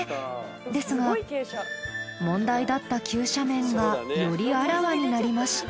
ですが問題だった急斜面がよりあらわになりました。